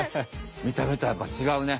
みた目とはやっぱちがうね。